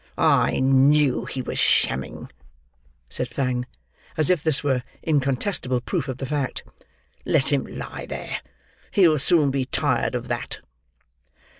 "I knew he was shamming," said Fang, as if this were incontestable proof of the fact. "Let him lie there; he'll soon be tired of that."